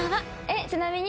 ちなみに。